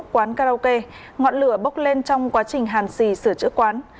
quán karaoke ngọn lửa bốc lên trong quá trình hàn xì sửa chữa quán